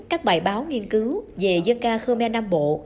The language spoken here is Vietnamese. các bài báo nghiên cứu về dân ca khmer nam bộ